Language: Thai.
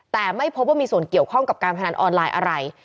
แต่ไม่พบว่ามีส่วนเกี่ยวข้องกับการพนันออนไลน์อะไร